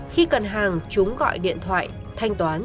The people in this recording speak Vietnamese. khi cần hàng chúng gọi điện thoại thanh toán